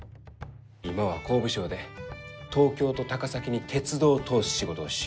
今は工部省で東京と高崎に鉄道を通す仕事をしゆう。